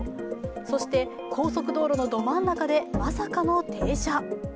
そして高速道路のど真ん中でまさかの停車。